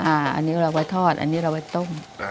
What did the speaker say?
อ่าอันนี้เราไว้ทอดอันนี้เราไว้ต้ม